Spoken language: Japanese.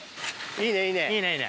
いいねいいね。